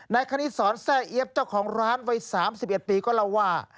คณิตศรแซ่เอี๊ยบเจ้าของร้านวัย๓๑ปีก็เล่าว่า